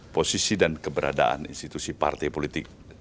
posisi dan keberadaan institusi partai politik